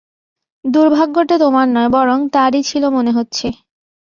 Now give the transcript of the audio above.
দূর্ভাগ্যটা তোমার নয় বরং তার-ই ছিল মনে হচ্ছে।